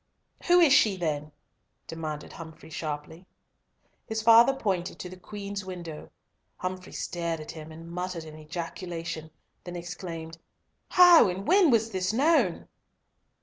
"Who is she, then?" demanded Humfrey sharply. His father pointed to the Queen's window. Humfrey stared at him, and muttered an ejaculation, then exclaimed, "How and when was this known?"